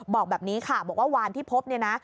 บอกแบบนี้ค่ะบอกว่าวานที่พบเนี่ยนะ